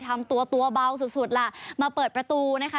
ทำตัวเบาสุดละมาเปิดประตูนะคะ